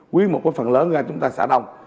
quý một cái phần lớn ra chúng ta xả đông